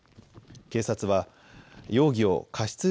警察は容疑を過失